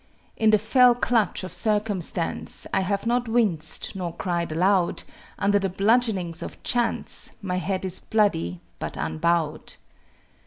In the fell clutch of circumstance I have not winced nor cried aloud; Under the bludgeonings of chance My head is bloody, but unbowed.